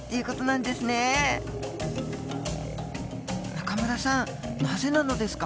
中村さんなぜなのですか？